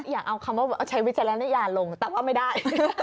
อย่าเอาคำว่าเอาใช้วิจารณญาณลงแต่ว่าไม่ได้